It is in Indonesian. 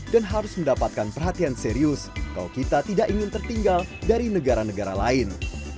dan harus mendapatkan perhatian serius kalau kita tidak ingin tertinggal dari negara negara lain